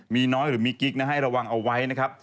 มีน้อยหรือมีกิ๊กนะฮะให้ระวังเอาไว้นะครับ